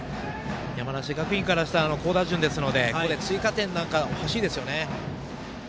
山梨学院からしたら好打順ですので追加点なんか欲しいですよね。